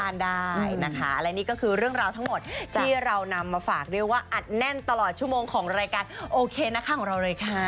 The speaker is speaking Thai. อันนี้ก็คือเรื่องราวทั้งหมดที่เรานำมาฝากด้วยว่าอัดแน่นตลอดชั่วโมงของรายการโอเคนะคะของเราเลยค่ะ